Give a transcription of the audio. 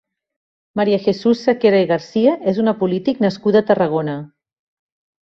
Maria Jesús Sequera i Garcia és una polític nascuda a Tarragona.